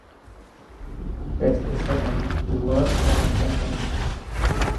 As a sophomore, he won All-Conference honors.